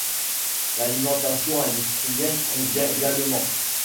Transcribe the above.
L'alimentation industrielle convient également.